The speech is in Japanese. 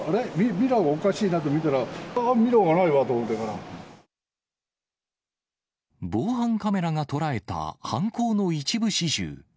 ミラーがおかしいなと見たら、あぁ、防犯カメラが捉えた犯行の一部始終。